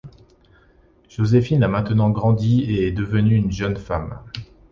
Joséphine a maintenant grandi et est devenue une jeune femme.